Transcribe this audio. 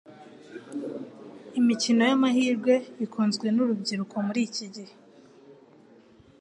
imikino yamahirwe ikunzwe nurubyiruko mur iki gihe